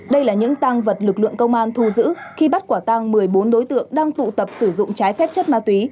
đây là những tăng vật lực lượng công an thu giữ khi bắt quả tăng một mươi bốn đối tượng đang tụ tập sử dụng trái phép chất ma túy